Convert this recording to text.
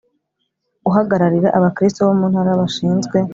Guhagararira aba kristo bo mu ntara bashinzwe